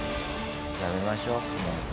やめましょうもう。